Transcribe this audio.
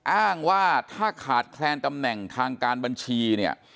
อ้างว่าถ้าขาดแคลนตำแหน่งทางการบัญชีเนี่ย